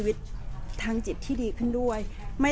แต่ว่าสามีด้วยคือเราอยู่บ้านเดิมแต่ว่าสามีด้วยคือเราอยู่บ้านเดิม